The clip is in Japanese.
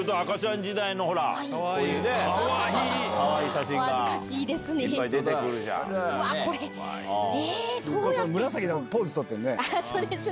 紫の、ポーズ取ってるね。